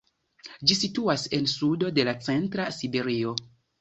Ĝi situas en sudo de la centra Siberio.